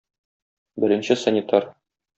Беренче санитар.